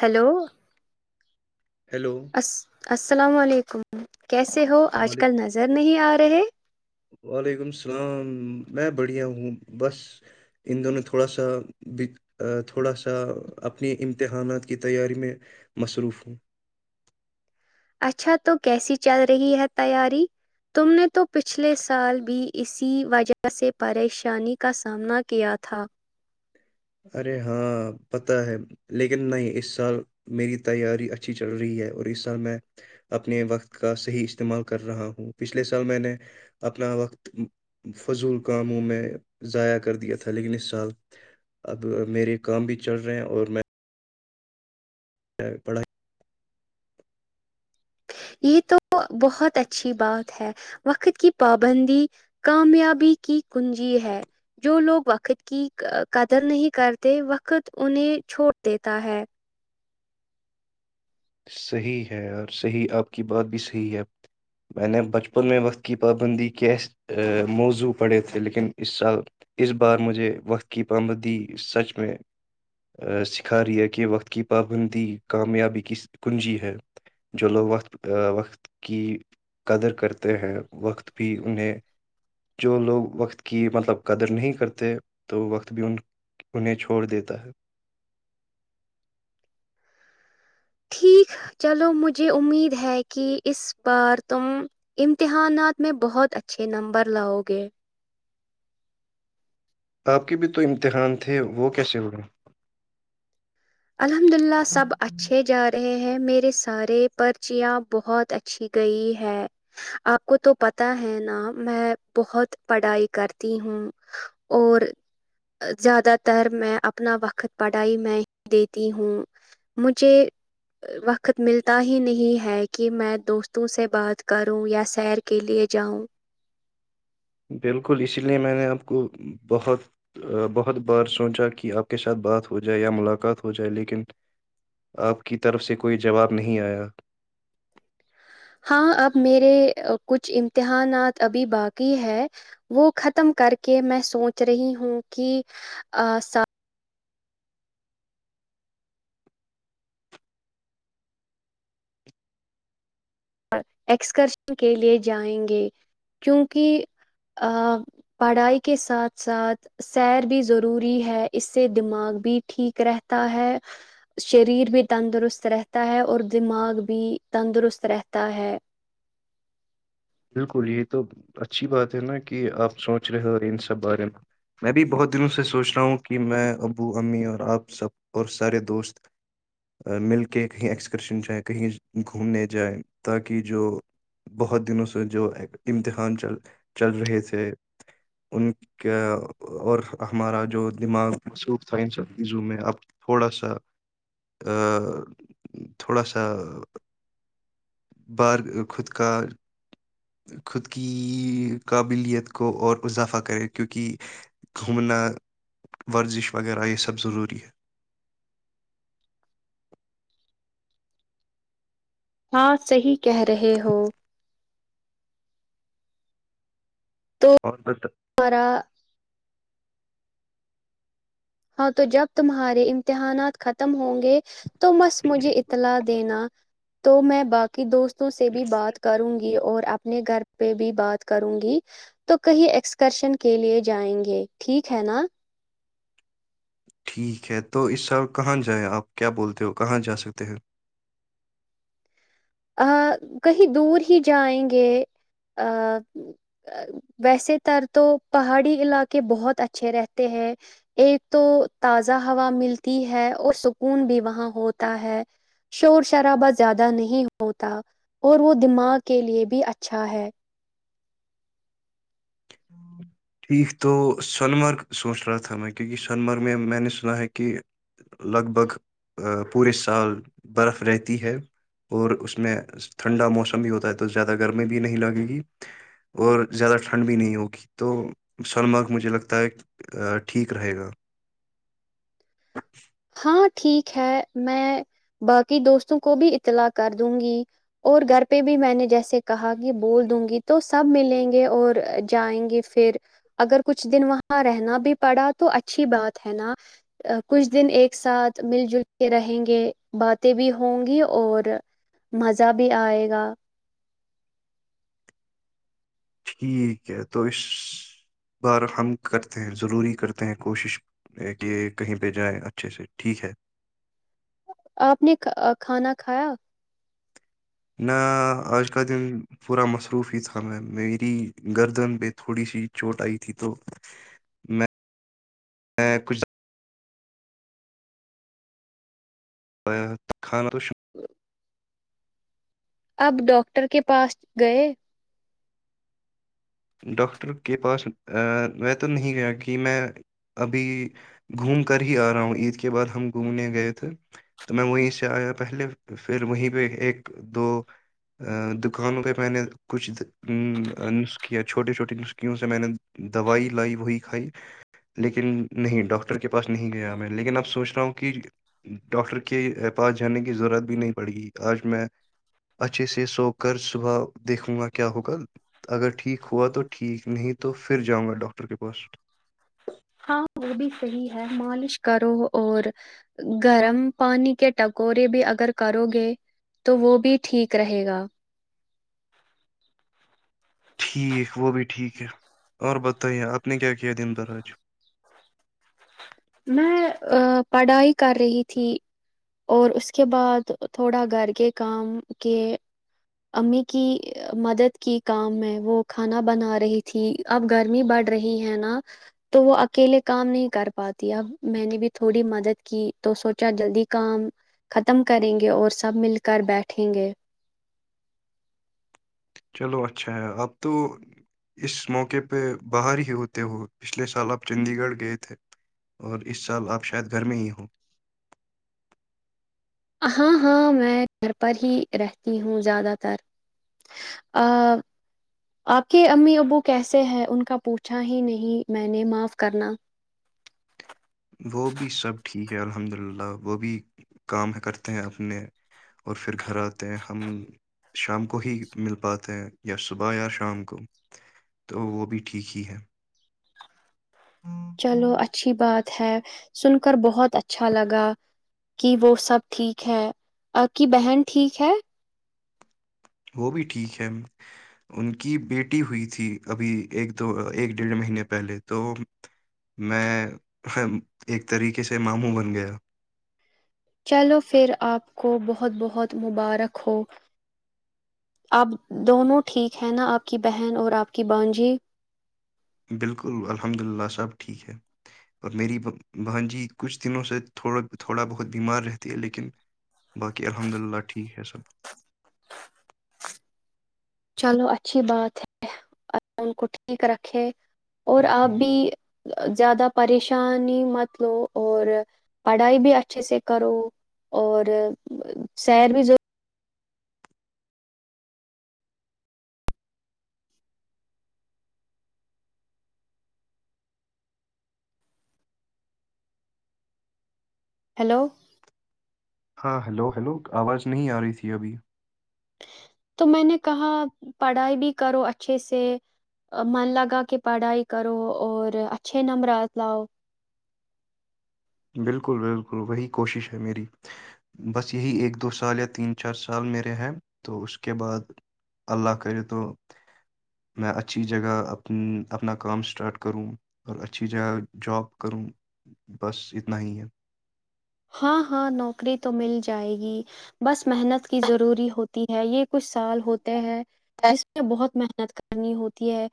Hello hello الس السلام علیکم ہوں کیسے ہو آج وعلیک کل نظر نہیں آ رہا ے وعلیکم السلام میں بڑھیا ہوں بس ان دونوں تھوڑا سا تھوڑا سا اپنی امتحانات کی تیاری میں مصروف ہوں اچھا تو کیسی چل رہی ہے تیاری تم نے تو پچھلے سال بھی اسی وجہ سے پریشانی کا سامنا کیا تھا ارے ہاں پت ہے لیکن نہیں اس سال میری تیاری اچھی چل رہی ہے اور اس سال میں اپنے وقت کا صحیح استعمال کر رہا ہوں پچھلے سال میں نے اپنا وقت فضول کاموں میں ضائع کر دیا تھا لیکن اس سال اب میرے کام بھی چل رہے ہیں اور میں پڑھا یہ تو بہت اچھی بات ہے وقت کی پابندی کامیابی کی کنجی ہے جو لوگ وقت کی قدر نہیں کرتے وقت انہیں چھوڑ دیتا ہے صحیح ہے اور صحیح آپ کی بات بھی صحیح ہے میں نے بچپن میں وقت کی پابندی کے موضوع پڑھے تھے لیکن اس سال اس بار مجھے وقت کی پابندی سچ میں سکھا رہی ہے کہ وقت کی پابندی کامیابی کی کنجی ہے جو لوگ وقت وقت کی قدر کرتے ہیں وقت بھی انہیں جو لوگ وقت کی مطلب قدر نہیں کرتے تو وقت بھی ان انہیں چھوڑ دیتا ہے ٹھیک چلو مجھے امید ہے کہ اس بار تم امتحانات میں بہت اچھے نمبر لاؤ گے آپ کے بھی تو امتحان تھے وہ کیسے ہوے الحمد للہ سب اچھے جا رہے ہیں میرے سارے پرچیاں بہت اچھی گئی ہے آپ کو تو پتا ہے نا میں بہت پڑھائی کرتی ہوں اور زیادہ تر میں اپنا وقت پڑھائی میں دیتی ہوں مجھے وقت ملتا ہی نہیں ہے کہ میں دوستوں سے بات کروں یا سیر کےلئے جاؤں بالکل اسی لئے میں نے آپ کو بہت بہت بار سوچا کہ آپ کے ساتھ بات ہو جائے یا ملاقات ہو جائے لیکن آپ کی طرف سے کوئی جواب نہیں آیا ہاں اب میرے کچھ امتحانات ابھی باقی ہے وہ ختم کر کے میں سوچ رہی ہوں کہ ایکسکرشن کے لیے جائیں گے کیونکہ پڑھائی کے ساتھ ساتھ سیر بھی ضروری ہے اس سے دماغ بھی ٹھیک رہتا ہے شریر بھی تندرست رہتا ہے اور دماغ بھی تندرست رہتا تا ہے بالکل یہ تو اچھی بات ہے نا کہ آپ سوچ رہے ہو ان سب بارے میں میں بھی بہت دنوں سے سوچ رہا ہوں کہ میں ابو امی اور آپ سب اور سارے دوست مل کے کہیں ایکسکرشن جائیں کہیں گھومنے جائیں تاکہ جو بہت دنوں سے جو امتحان چل چل رہے تھے ان کا اور ہمارا جو دماغ مسوخ تھا ان سب چیزوں میں اب تھوڑا سا تھوڑا سا بار خود کا خود کی قابلیت کو اور اضافہ کرے کیوںکہ گھومنا ورزش وغیرہ یہ سب ضروری ہے ہاں صحی کہہ رہے ہو تو اور بت ہمارا ہاں تو جب تمہارے امتحانات ختم ہوں گے تو بس مجھے اطلاع دینا تو میں باقی دوست سے بھی بات کروں گی اور اپنے گھر پہ بھی بات کروں گی تو کہیں ایکسکرشن کے لیے جائیں گے ٹھیک ہے نا ٹھیک ہے تو اس سال کہاں جائیں آپ کیا بولتے ہو کہاں جا سکتے ہیں؟ کہیں دور ہی جائیں گے ویسے تر تو پہاڑی علاقے بہت اچھے رہتے ہیں ایک تو تازہ ہوا ملتی ہے اور سکون بھی وہاں ہوتا ہے شور شرابہ زیادہ نہیں ہوتا اور وہ دماغ کے لیئے بھی اچھا ہے ٹھیک تو سون مرگ سوچ رہا تھا میں کیونکہ سونمرگ میں میں نے سنا ہے کہ لگ بھگ پورے سال برف رہتی ہے اور اس میں ٹھنڈا موسم بھی ہوتا ہے تو زیادہ گرمی بھی نہیں لگے گی اور زیادہ ٹھنڈ بھی نہیں ہوگی تو سنمارگ مجھے لگتا ہے ٹھیک رہے گا ہاں ٹھیک ہے میں باقی دوستوں کو بھی اطلاع کر دوں گی اور گھر پہ بھی میں نے جیسے کہا کہ بول دوں گی تو سب ملیں گے اور جائیں گے پھر اگر کچھ دن وہاں رہنا بھی پڑا تو اچھی بات ہے نا کچھ دن ایک ساتھ مل جل کے رہیں گے باتیں بھی ہوں گی اور مزہ بھی آئے گا ٹھیک ہے تو اس بار ہم کرتے ہیں ضروری کرتے ہیں کوشش کہ کہیں پہ جائیں اچھے سے ٹھیک ہے آپ نے کھانا کھایا نہ آج کا دن پورا مصروف ہی تھا میں میری گردن پہ تھوڑی سی چوٹ آئی تھی تو میں میں کچھ خاندر اب ڈاکٹر کے پاس گئے ڈاکٹر کے پاس میں تو نہیں گیا کہ میں ابھی گھوم کر ہی آ رہا ہوں عید کے بعد ہم گھومنے گئے تھے تو میں وہیں سے آیا پہلے پھر وہیں پہ ایک دو دکانوں پہ میں نے کچھ چھوٹے چھوٹیے نسکیوں سے میں نے دوائی لائی وہی کھائی لیکن نہیں ڈاکٹر کے پاس نہیں گیا میں لیکن اب سوچ رہا ہوں کہ ڈاکٹر کے پاس جانے کی ضرورت بھی نہیں پڑ گی آج میں اچھے سے سو کر صبح دیکھوں گا کیا ہوگا اگر ٹھیک ہوا تو ٹھیک نہیں تو پھر جاؤں گا ڈاکٹر کے پاس ہاں وہ بھی صحیح ہے مالش کرو اور گرم پانی کے ٹکورے بھی اگر کرو گے تو وہ بھی ٹھیک رہے گا ٹھیک وہ بھی ٹھیک ہے اور بتائیے آپ نے کیا کیا دن بھر آج میں پڑھائی کر رہی تھی اور اس کے بعد تھوڑا گھر کے کام کے امی کی مدد کی کام میں وہ کھانا بنا رہی تھی اب گرمی بڑھ رہی ہے نا تو وہ اکیلے کام نہیں کر پاتی اب میں نے بھی تھوڑی مدد کی تو سوچا جلدی کام ختم کریں گے اور سب مل کر بیٹھیں گے چلو اچھا ہے آپ تو اس موقعے پہ باہر ہی ہوتے ہو پچھلے سال آپ چنندی گڑھ گئے تھے اور اس سال آپ شاید گھر میں ہی ہاں ہاں میں گھر پر ہی رہتی ہوں زیادہ تر آپ کے امی ابو کیسے ہے ان کا پوچھا ہی نہیں میں نے معاف کرنا وہ بھی سب ٹھیک ہے الحمد للہ وہ بھی کام کرتے ہیں اپنے اور پھر گھر آتے ہیں ہم شام کو ہی مل پاتے ہیں یا صبح یا شام کو تو وہ بھی ٹھیک ہی ہے چلو اچھی بات ہے سن کر بہت اچھا لگا کہ وہ سب ٹھیک ہے آ کی بہن ٹھیک ہے وہ بھی ٹھیک ہے ان کی بیٹی ہوئی تھی ابھی ایک دو ایک ڈیھ مہینے پہلے تو میں ایک طریقے سے ماموں بن گیا چلو پھر آپ کو بہت بہت مبارک ہو آپ دونوں ٹھیک ہیں نا آپ کی بہن اور آپ کی بانجی بالکل الحمد للہ سب ٹھیک ہے اور میری بہن جی کچھ دنوں سے تھوڑا تھوڑا بہت بیمار رہتی ہے لیکن باقی الحمد للہ ٹھیک ہے سب چلو اچھی بات ہے اللہ ان کو ٹھیک رکھے اور آپ بھی زیادہ پریشانی مت لو اور پڑھائی بھی اچھے سے کرو اور سیر بھی ضور ہلو ہاں ہیلو ہلو آواز نہیں آ رہی تھی ابھی تو میں نے کہا پڑھائی بھی کرو اچھے سے من لگا کہ پڑھائی کرو اور اچھے نمبر لاؤ بالکل بالکل وہی کوشش ہے میری بس یہی ایک دو سال یا تین چار سال میرے ہیں تو اس کے بعد اللہ کرے تو میں اچھی جگہ اپ اپنا کام اسٹارٹ کروں اور اچھی جگہ جاب کروں بس نہیں ہے ہاں ہاں نوکری تو مل جائے گی بس محنت کی ضروری ہوتی ہے یہ کچھ سال ہوتے ہیں جس میں بہت مہ محنت کرنی ہوتی ہے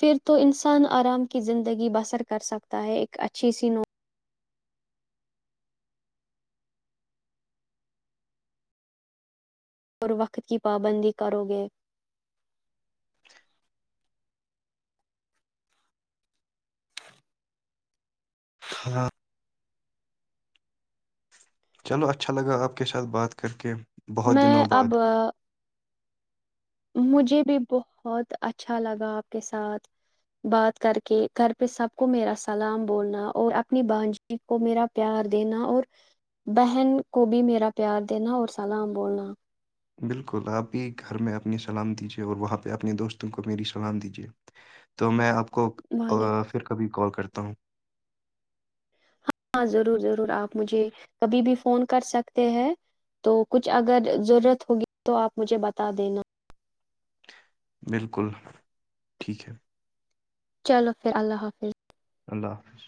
پھر تو انسان آرام کی زندگی بسر کر سکتا ہے ایک اچھی سی نو اور وقت کی پابندی کرو گے ہاں چلو اچھا لگا آپ کے ساتھ بات کر کے بہت میں دنوں اب بعد مجھے بھی بہت اچھا لگا آپ کے ساتھ بات کر کے گھر پہ سب کو میرا سلام بولنا اور اپنی بانجی کو میرا پیار دینا اور بہن کو بھی میرا پیار دینا اور سلام بولنا بالکل آپ بھی گھر میں اپنی سلام دیجے اور وہاں پہ اپنے دوستوں کو میری سلام دیجے تو میں آپ کو کو وعلیکم پھر کبھی کال کرتے کہتا ہوں ہاں ہاں ضرور ضرور آپ مجھے کبھی بھی فون کر سکتے ہیں تو کچھ اگر ضرورت ہوگی تو آپ مجھے بتا دینا بالکل ٹھیک ہے چلو پھر اللہ حافظ اللہ حافظ